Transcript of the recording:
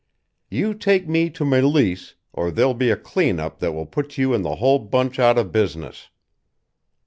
You take me to Meleese or there'll be a clean up that will put you and the whole bunch out of business.